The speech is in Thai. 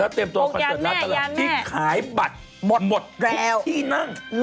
แล้วเตรียมตัวของเกิดรัฐตรัพย์ที่ขายบัตรหมดที่นั่ง๖ย้านแม่ย้านแม่